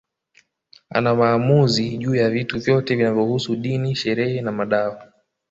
Ana maamuzi juu ya vitu vyote vinavyohusu dini sherehe na madawa